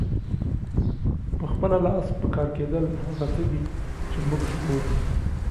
په خپله لاس پکار کیدل هغه څه دي چې مونږ ژغوري.